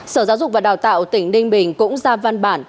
sở giáo dục và đào tạo tỉnh ninh bình cũng ra văn bản